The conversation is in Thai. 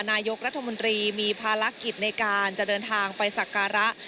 นายกรัฐมนตรีมีภารกิจในการจะเดินทางไปสักการะ